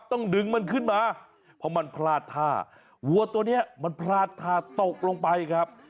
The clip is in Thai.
ต้องดึงมันขึ้นมาเพราะมันพลาดท่าวัวตัวเนี้ยมันพลาดท่าตกลงไปครับ